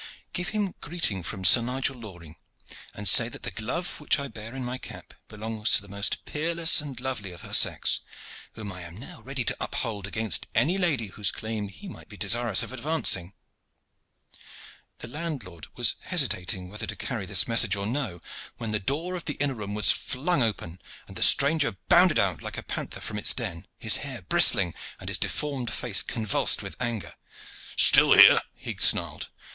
Give him greeting from Sir Nigel Loring, and say that the glove which I bear in my cap belongs to the most peerless and lovely of her sex, whom I am now ready to uphold against any lady whose claim he might be desirous of advancing." The landlord was hesitating whether to carry this message or no, when the door of the inner room was flung open, and the stranger bounded out like a panther from its den, his hair bristling and his deformed face convulsed with anger. "Still here!" he snarled.